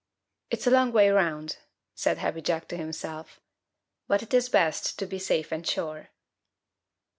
"It's a long way 'round," said Happy Jack to himself, "but it is best to be safe and sure."